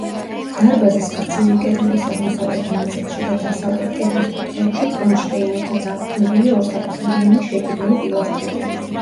დარბაზის გრძივი კედლების აღმოსავლეთ ნაწილში და დასავლეთ კედლის კუთხეებში კრონშტეინებზე დაყრდნობილი ორსაფეხურიანი შეკიდული პილასტრებია.